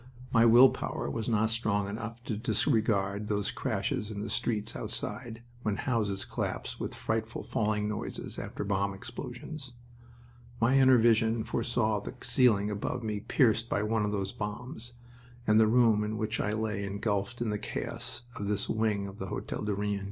My will power was not strong enough to disregard those crashes in the streets outside, when houses collapsed with frightful falling noises after bomb explosions. My inner vision foresaw the ceiling above me pierced by one of those bombs, and the room in which I lay engulfed in the chaos of this wing of the Hotel du Rhin.